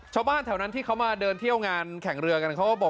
ชาวบ้านแถวนั้นที่เขามาเดินเที่ยวงานแข่งเรือกันเขาก็บอก